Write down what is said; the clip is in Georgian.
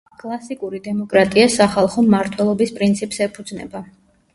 კლასიკური დემოკრატია სახალხო მმართველობის პრინციპს ეფუძნება.